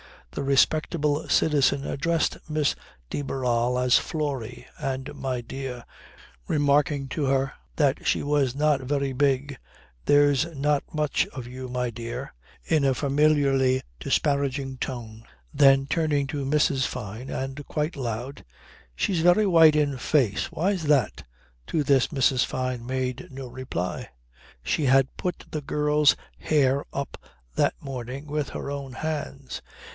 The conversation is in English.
The respectable citizen addressed Miss de Barral as "Florrie" and "my dear," remarking to her that she was not very big "there's not much of you my dear" in a familiarly disparaging tone. Then turning to Mrs. Fyne, and quite loud "She's very white in the face. Why's that?" To this Mrs. Fyne made no reply. She had put the girl's hair up that morning with her own hands.